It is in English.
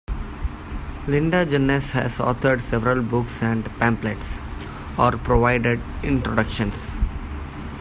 Linda Jenness has authored several books and pamphlets, or provided introductions.